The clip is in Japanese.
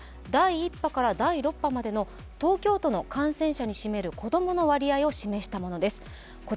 第１波から第６波までの東京都の感染者に占める子供の割合を示したものです。